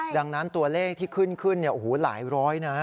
ดังนั้นตัวเลขที่ขึ้นขึ้นหลายร้อยนะ